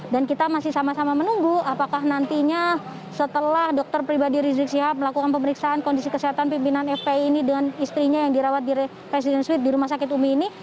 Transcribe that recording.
dan kita masih sama sama menunggu apakah nantinya setelah dokter pribadi rizik shihab melakukan pemeriksaan kondisi kesehatan pimpinan fpi ini dengan istrinya yang dirawat di residence suite di rumah sakit umi ini